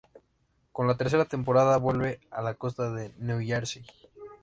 Con la tercera temporada, vuelve a la costa de New Jersey.